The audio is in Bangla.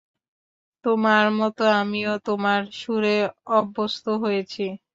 তোমার মত আমিও, তোমার সুরে অভ্যস্ত হয়েছি।